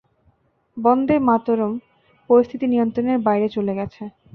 বন্দে মাতরম পরিস্থিতি নিয়ন্ত্রণের বাইরে চলে গেছে।